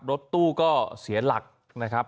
รถตู้ก็เสียหลักนะครับ